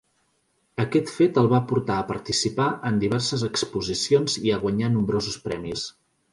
Aquest fet el va portar a participar en diverses exposicions i a guanyar nombrosos premis.